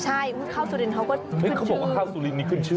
ใช่ข้าวสุรินทร์เขาก็เฮ้ยเขาบอกว่าข้าวสุรินนี้ขึ้นชื่อ